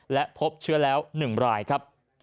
และพบเชื้อแล้ว๑รายครับ